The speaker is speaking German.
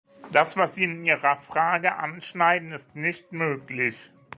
Das, was Sie in Ihrer Frage anschneiden, ist nicht möglich.